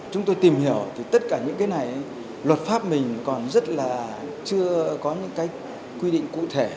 chúng tôi tìm hiểu thì tất cả những cái này luật pháp mình còn rất là chưa có những cái quy định cụ thể